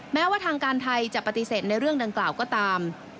แม้ว่าทางการไทยจะปฏิเสธในเรื่องดังกล่าวก็ตาม